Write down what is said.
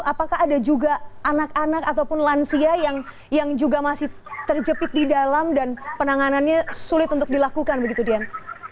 apakah ada juga anak anak ataupun lansia yang juga masih terjepit di dalam dan penanganannya sulit untuk dilakukan begitu dian